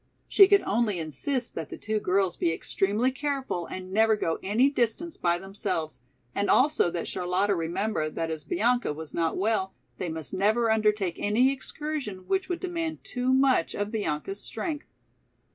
She could only insist that the two girls be extremely careful and never go any distance by themselves, and also that Charlotta remember that as Bianca was not well, they must never undertake any excursion which would demand too much of Bianca's strength.